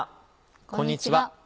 こんにちは。